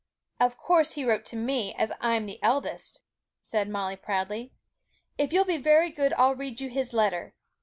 'Of course he wrote to me, as I'm the eldest,' said Molly proudly; 'if you'll be very good I'll read you his letter.'